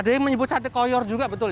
ada yang menyebut sate koyor juga betul